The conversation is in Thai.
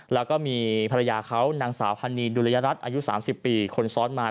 แล้วก็มีภรรยาเขานางสาวพันนีดุลยรัฐอายุ๓๐ปีคนซ้อนมา